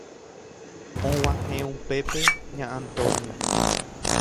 Og̃uahẽ upépe Ña Antonia.